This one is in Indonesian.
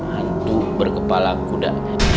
hantu berkepala kuda